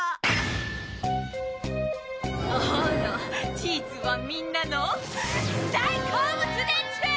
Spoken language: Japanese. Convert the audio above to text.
あらチーズはみんなの大好物でチュー！